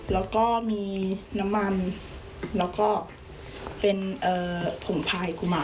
แล้วก็มีน้ำมันแล้วก็เป็นผงพายกุมา